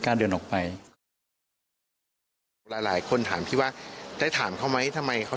กล้าเดินออกไปหลายคนถามพี่ว่าได้ถามเขาไว้ทำไมเขา